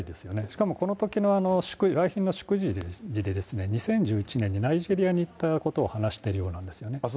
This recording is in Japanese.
しかもこのときの来賓の祝辞で、２０１１年にナイジェリアに行ったことを話しているようなんですよね。